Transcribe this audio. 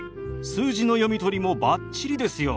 数字の読み取りもバッチリですよ。